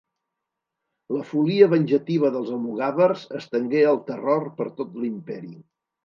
La follia venjativa dels almogàvers estengué el terror per tot l'imperi.